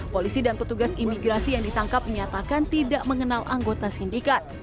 polisi dan petugas imigrasi yang ditangkap menyatakan tidak mengenal anggota sindikat